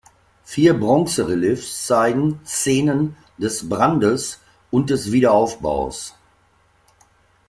Vier Bronzereliefs zeigen Szenen des Brandes und des Wiederaufbaus.